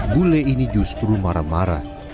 bule ini justru marah marah